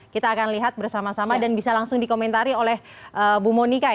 kita akan lihat bersama sama dan bisa langsung dikomentari oleh bu monika